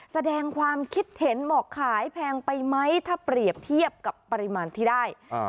แสดงความคิดเห็นบอกขายแพงไปไหมถ้าเปรียบเทียบกับปริมาณที่ได้อ่า